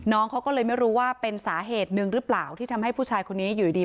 น้องเขาก็เลยไม่รู้ว่าเป็นสาเหตุหนึ่งหรือเปล่าที่ทำให้ผู้ชายคนนี้อยู่ดี